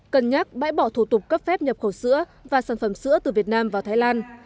cân nhắc bãi bỏ thủ tục cấp phép nhập khẩu sữa và sản phẩm sữa từ việt nam vào thái lan